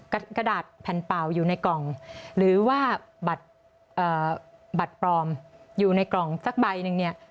กระดาษแผ่นเปล่าอยู่ในกล่องหรือว่าบัตรปลอมอยู่ในกล่องสักใบหนึ่งเนี่ย